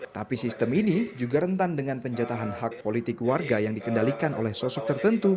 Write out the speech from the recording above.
tapi sistem ini juga rentan dengan penjatahan hak politik warga yang dikendalikan oleh sosok tertentu